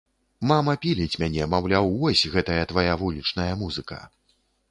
Мама піліць мяне, маўляў, вось, гэтая твая вулічная музыка.